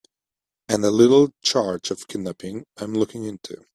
And a little charge of kidnapping I'm looking into.